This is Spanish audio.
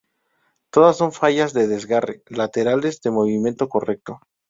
Todas son fallas de desgarre laterales de movimiento correcto.